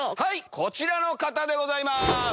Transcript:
こちらの方でございます！